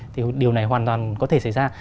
thì điều này hoàn toàn có thể xảy ra